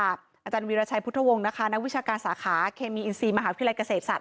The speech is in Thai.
อาจารย์วีรชัยพุทธวงศ์นะคะนักวิชาการสาขาเคมีอินซีมหาวิทยาลัยเกษตรศาส